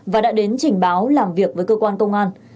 và đã đến trình báo làm việc với cơ quan công an